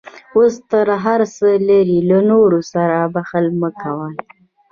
اوس ته هر څه لرې، له نورو سره بخل مه کوه.